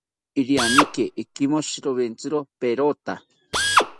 Irianeriki ikeinishiriwetzi perota